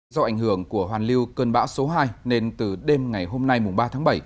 do ảnh hưởng của hoàn lưu cơn bão số hai nên từ đêm ngày hôm nay ba tháng bảy